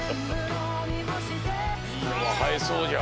いいのがはえそうじゃ。